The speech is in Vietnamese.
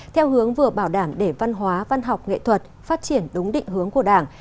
theo hướng vừa bảo đảm để văn hóa văn học nghệ thuật phát triển đúng định hướng của đảng